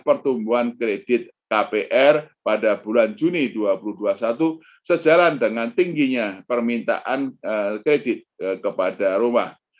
pertumbuhan kredit kpr pada bulan juni dua ribu dua puluh satu sejalan dengan tingginya permintaan kredit kepada rumah